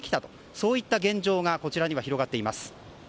そういった現状がこちらには広がっています。